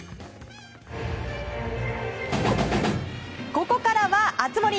ここからは熱盛。